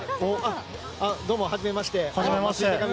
どうも、はじめまして。